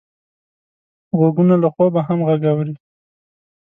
غوږونه له خوبه هم غږ اوري